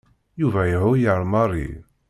Yuba iεuyer Mary.